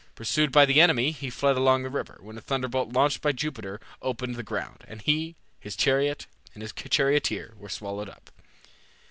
Pursued by the enemy, he fled along the river, when a thunderbolt launched by Jupiter opened the ground, and he, his chariot, and his charioteer were swallowed up.